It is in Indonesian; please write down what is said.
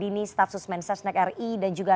dini stafsus menteri sesnek ri dan juga